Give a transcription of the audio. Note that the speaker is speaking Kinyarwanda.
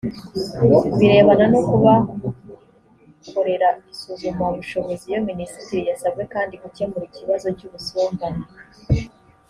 birebana no kubakorera isuzumabushobozi iyo minisiteri yasabwe kandi gukemura ikibazo cy ubusumbane